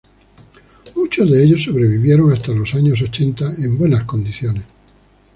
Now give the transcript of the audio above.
Muchos de ellos sobrevivieron hasta los años ochenta, en buenas condiciones.